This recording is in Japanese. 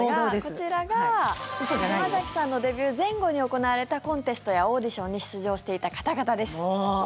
こちらが島崎さんのデビュー前後に行われたコンテストやオーディションに出場していた方々です。